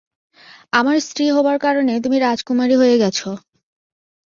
আমার স্ত্রী হবার কারণে তুমি রাজকুমারী হয়ে গেছ।